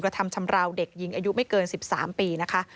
ทำชำราวเด็กหญิงอายุไม่เกิน๑๓ปีนะคะ